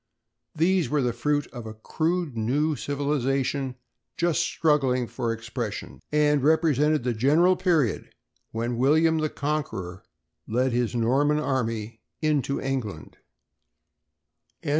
These were the fruit of a crude new civilization just struggling for expression, and represented the general period when William the Conqueror led his Norman army into England.